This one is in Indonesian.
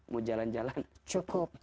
mau jalan jalan cukup